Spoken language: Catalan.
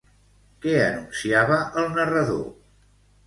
Què anunciava el narrador?